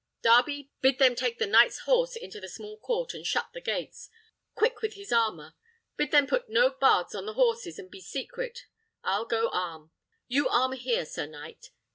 Darby, bid them take the knight's horse into the small court, and shut the gates. Quick with his armour! Bid them put no bards on the horses, and be secret. I'll go arm. You arm here, sir knight.